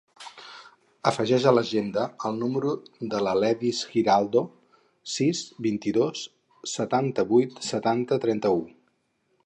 Afegeix a l'agenda el número de l'Aledis Giraldo: sis, vint-i-dos, setanta-vuit, setanta, trenta-u.